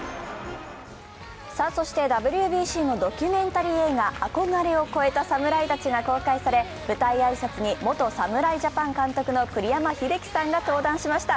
そして、ＷＢＣのドキュメンタリー映画「憧れを超えた侍たち」が公開され、舞台挨拶に元侍ジャパン監督の栗山英樹さんが登壇しました。